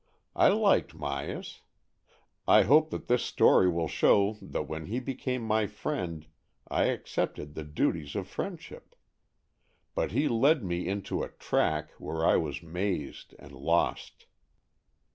I liked Myas. I hope that this story will show that when he became my friend I accepted the duties of friendship. But he led me into, a track where I was mazed and lost.